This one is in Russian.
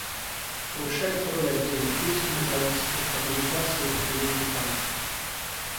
Повышается роль отдельных лиц и неправительственных организаций в определении политики.